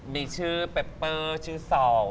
มีชื่อเปปเปอร์ชื่อซอง